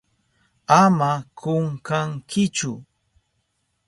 Ama kunkankichu.